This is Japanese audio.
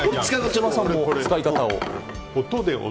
手嶋さんも使い方を。